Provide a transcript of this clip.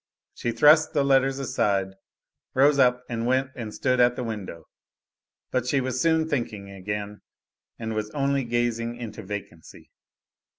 She thrust the letters aside, rose up and went and stood at the window. But she was soon thinking again, and was only gazing into vacancy.